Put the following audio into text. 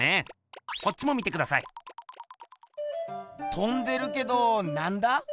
とんでるけどなんだ？